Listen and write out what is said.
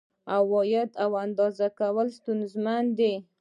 عوایدو اندازه کول ستونزمن دي.